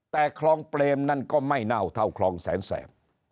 แต่คลองเปรมนั้นก็ไม่เน่าเท่าคลองแสนแสบ